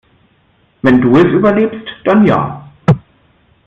Wenn du es überlebst, dann ja.